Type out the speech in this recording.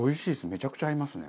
めちゃくちゃ合いますね。